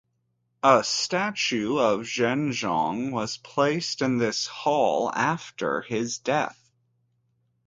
A statue of Zhenzong was placed in this hall after his death.